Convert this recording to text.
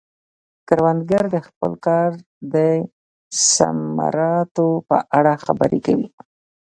کروندګر د خپل کار د ثمراتو په اړه خبرې کوي